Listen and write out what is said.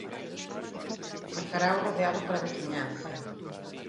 E farao rodeado pola veciñanza.